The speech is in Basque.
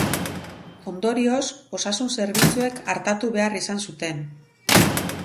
Ondorioz, osasun-zerbitzuek artatu behar izan zuten.